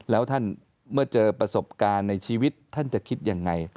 แล้วท่านเมื่อเจอประสบการณ์ในชีวิตท่านจะคิดยังไง